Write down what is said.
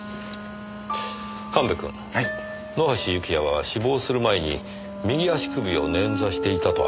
神戸くん野橋幸也は死亡する前に右足首を捻挫していたとありますね。